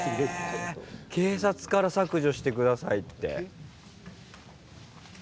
警察から削除して下さいって。